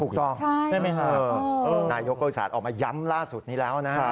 ถูกต้องใช่ไหมค่ะนายยกโรงพยาบาลออกมาย้ำล่าสุดนี้แล้วนะ